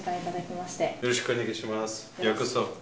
よろしくお願いします。